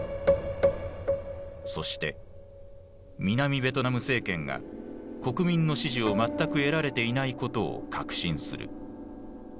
そして南ベトナム政権が国民の支持を全く得られていないことを確信する。